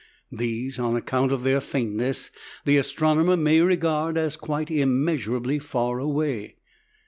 These, on account of their faintness, the astronomer may regard as quite immeasurably far away.